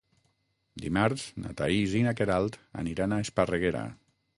Dimarts na Thaís i na Queralt aniran a Esparreguera.